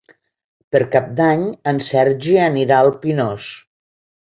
Per Cap d'Any en Sergi anirà al Pinós.